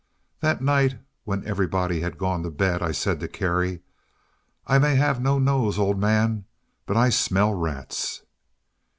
That night, when everybody had gone to bed, I said to Kerry, "I may have no nose, old man, but I smell rats."